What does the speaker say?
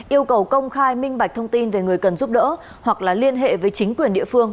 yêu cầu công khai minh bạch thông tin về người cần giúp đỡ hoặc liên hệ với chính quyền địa phương